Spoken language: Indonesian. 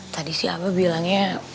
tadi sih abah bilangnya